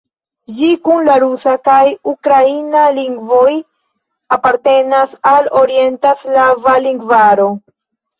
Ĝi kun la rusa kaj ukraina lingvoj apartenas al Orienta slava lingvaro.